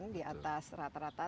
di atas rata rata